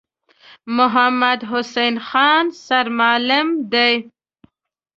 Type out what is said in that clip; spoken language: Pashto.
محمدحسین خان سرمعلم دی.